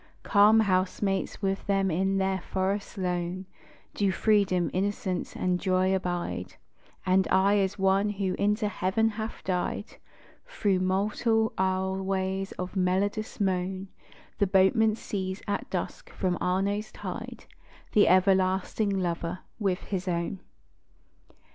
Calm housemates with them in their forest lone Do Freedom, Innocence and Joy, abide: And aye as one who into Heaven hath died Thro' mortal aisleways of melodious moan, The boatman sees, at dusk, from Arno's tide, The Everlasting Lover with his own!